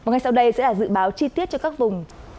ngay sau đây sẽ là dự báo chi tiết cho các vùng